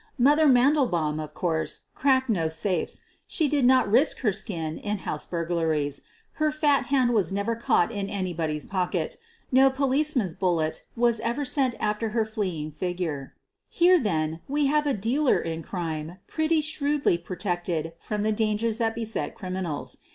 " Mother" Mandelbaum, of course, cracked no safes, she did not risk her skin in house burglaries, her fat hand was never caught in anybody's pocket, no policeman's bullet was ever 188 SOPHIE LYONS sent after her fleeing figure. Here, then, we nave a dealer in erime pretty shrewdly protected from the dangers that beset criminals.